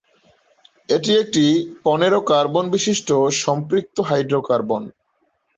এটি একটি পনেরো কার্বন বিশিষ্ট সম্পৃক্ত হাইড্রোকার্বন।